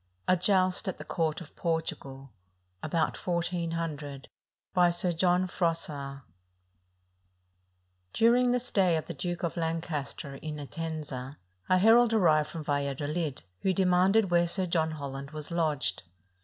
A JOUST AT THE COURT OF PORTUGAL [About 1400] BY SIR JOHN FROISSAST During the stay of the Duke of Lancaster in Enten^a, a herald arrived from Valladolid, who demanded where Sir John Holland was lodged.